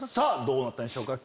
どうなったんでしょうか？